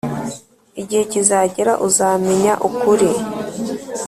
igihe kizagera uzamenya ukuri.